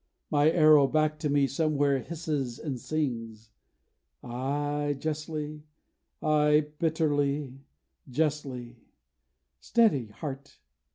My arrow back to me somewhere hisses and sings, Aye, justly; aye, bitterly, justly. Steady, heart!